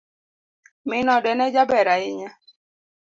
Min ode ne jaber ahinya.